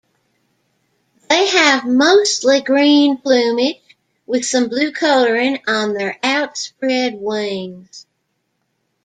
They have mostly green plumage with some blue colouring on their outspread wings.